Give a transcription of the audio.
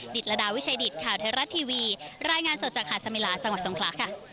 ตรดาวิชัยดิตข่าวไทยรัฐทีวีรายงานสดจากหาดสมิลาจังหวัดทรงคลาค่ะ